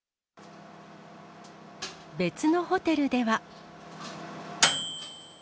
別のホテルでは。